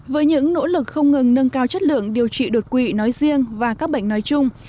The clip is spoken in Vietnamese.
với những nỗ lực không ngừng nâng cao chất lượng điều trị đột quỵ nói riêng và các bệnh nói chung